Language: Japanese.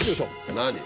何？